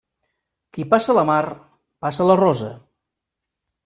Qui passa la mar, passa la rosa.